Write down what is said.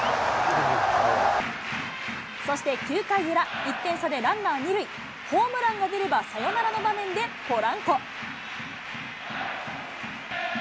そして９回裏、１点差でランナー２塁、ホームランが出ればサヨナラの場面で、ポランコ。